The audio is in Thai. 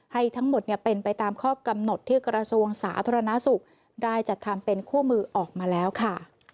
ให้ทั้งหมดเป็นไปตามข้อกำหนดที่กระทรวงสาธารณสุขได้จัดทำเป็นคู่มือออกมาแล้วค่ะ